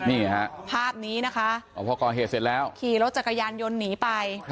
นี่ภาพนี้นะคะขี่รถจักรยานยนต์หนีไป